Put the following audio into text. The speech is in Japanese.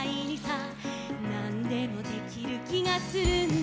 「なんでもできる気がするんだ」